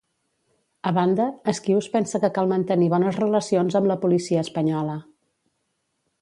A banda, Esquius pensa que cal mantenir bones relacions amb la policia espanyola.